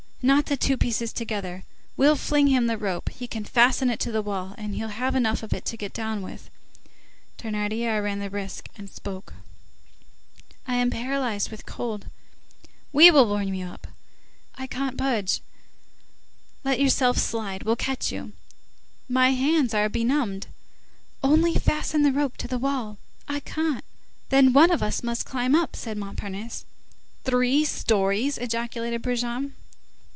"Knot the two pieces together, we'll fling him the rope, he can fasten it to the wall, and he'll have enough of it to get down with." Thénardier ran the risk, and spoke:— "I am paralyzed with cold." "We'll warm you up." "I can't budge." "Let yourself slide, we'll catch you." "My hands are benumbed." "Only fasten the rope to the wall." "I can't." "Then one of us must climb up," said Montparnasse. "Three stories!" ejaculated Brujon.